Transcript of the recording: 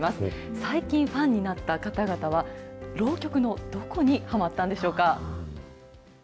最近ファンになった方々は、浪曲のどこにはまったんでしょうか。